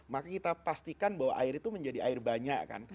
maka kita pastikan bahwa air itu menjadi air banyak kan